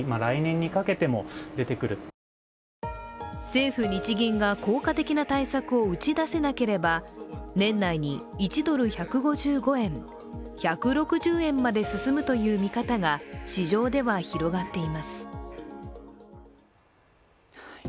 政府・日銀が効果的な対策を打ち出せなければ、年内に１ドル＝１５５円１６０円まで進むという見方が市場では広がっています。